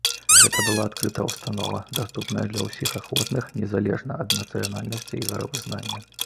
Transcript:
Гэта была адкрыта ўстанова, даступная для ўсіх ахвотных незалежна ад нацыянальнасці і веравызнання.